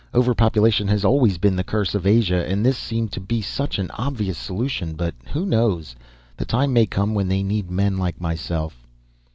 Overpopulation has always been the curse of Asia, and this seemed to be such an obvious solution. But who knows? The time may come when they need men like myself."